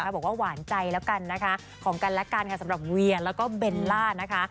บอกว่าหวานใจแล้วกันนะคะของกันและกันค่ะสำหรับเวียแล้วก็เบลล่านะคะ